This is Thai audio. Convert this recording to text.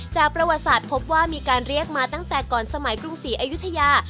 ประวัติศาสตร์พบว่ามีการเรียกมาตั้งแต่ก่อนสมัยกรุงศรีอายุทยา